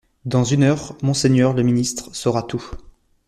Dans une heure, monseigneur le ministre saura tout.